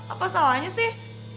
apa salahnya sih